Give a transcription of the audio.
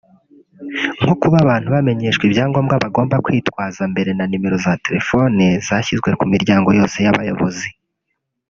nko kuba abantu bamenyeshwa ibyangombwa bagomba kwitwaza mbere na nimero za telefoni zashyizwe ku miryango yose y’abayobozi